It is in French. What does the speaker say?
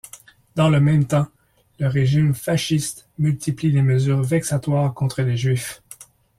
Dans le même temps, le régime fasciste multiplie les mesures vexatoires contre les juifs.